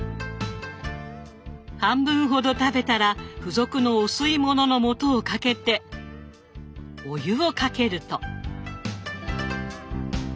半分ほど食べたら付属のお吸いもののもとをかけてお湯をかけると。